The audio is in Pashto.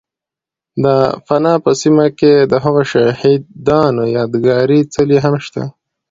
، د پنه په سیمه کې دهغو شهید انو یاد گاري څلی هم شته